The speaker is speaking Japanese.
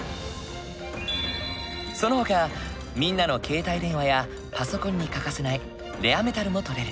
そのほかみんなの携帯電話やパソコンに欠かせないレアメタルも採れる。